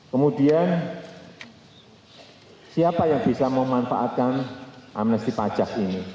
kemudian siapa yang bisa memanfaatkan amnesti pajak ini